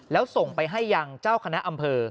แล้วส่งไปให้ยังเจ้าคณะอำเภอ